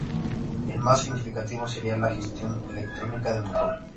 El más significativo sería la gestión electrónica del motor.